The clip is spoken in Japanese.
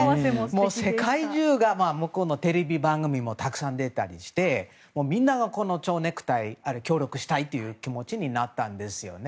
世界中が向こうのテレビ番組もたくさん出たりしてみんながこの蝶ネクタイに協力したいという気持ちになったんですよね。